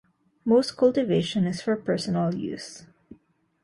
Most cultivation is for personal use.